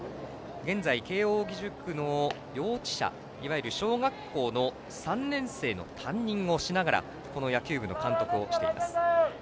現在、慶応義塾の幼稚舎小学校の３年生の担任をしながらこの野球部の監督をしています。